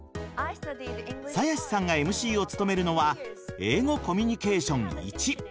鞘師さんがＭＣを務めるのは「英語コミュニケーションⅠ」。